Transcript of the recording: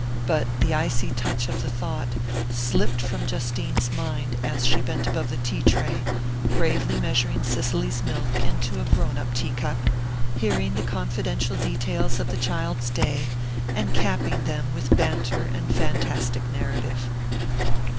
But the icy touch of the thought slipped from Justine's mind as she bent above the tea tray, gravely measuring Cicely's milk into a "grown up" teacup, hearing the confidential details of the child's day, and capping them with banter and fantastic narrative.